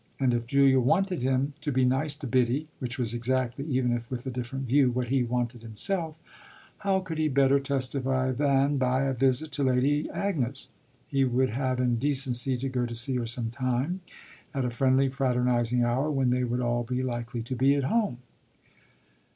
And if Julia wanted him to be nice to Biddy which was exactly, even if with a different view, what he wanted himself how could he better testify than by a visit to Lady Agnes he would have in decency to go to see her some time at a friendly, fraternising hour when they would all be likely to be at home?